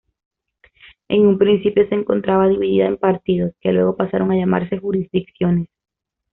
En un principio se encontraba dividida en partidos, que luego pasaron a llamarse jurisdicciones.